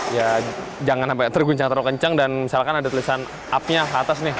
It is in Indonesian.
ya jangan sampai terguncang terlalu kencang dan misalkan ada tulisan up nya ke atas nih